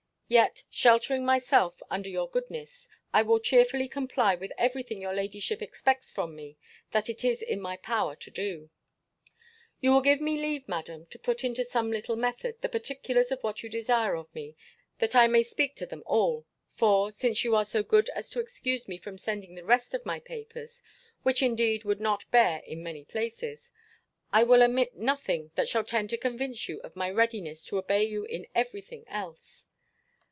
Yet, sheltering myself under your goodness, I will cheerfully comply with every thing your ladyship expects from me, that it is in my power to do. You will give me leave, Madam, to put into some little method, the particulars of what you desire of me, that I may speak to them all: for, since you are so good as to excuse me from sending the rest of my papers (which indeed would not bear in many places), I will omit nothing that shall tend to convince you of my readiness to obey you in every thing else.